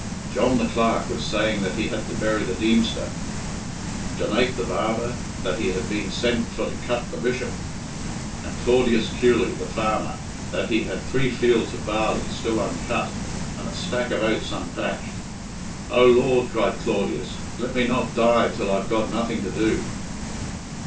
John the Clerk was saying that he had to bury the Deemster; Jonaique, the barber, that he had been sent for to "cut" the Bishop; and Claudius Kewley, the farmer, that he had three fields of barley still uncut and a stack of oats unthatched. "Oh, Lord," cried Claudius, "let me not die till I've got nothing to do!"